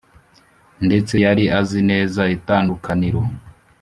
ndetse yari azi neza itandukaniro